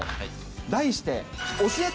題して、教えて！